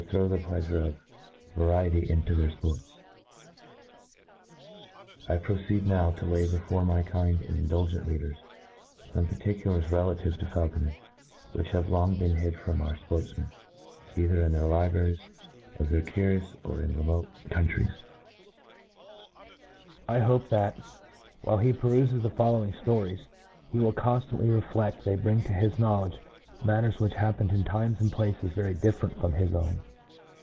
throw the pleafure of variety in , to their fports, ^ I proceed now to lay before my kind and in^ dulgent readers fome particulars relative to faul conry, which have been long hid from our (portfmcn, either in the libraries of the curious, orjn renaotc countries, I hope that, while he perufeS the following ftorics, he will conftantly reflfeflt they bring to his knowledge matters which happened in times and places very diflferent from . his own..